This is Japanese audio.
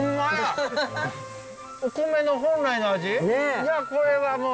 いやこれはもう。